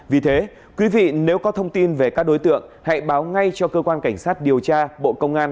vì thế quý vị nếu có thông tin về các đối tượng hãy báo ngay cho cơ quan cảnh sát điều tra bộ công an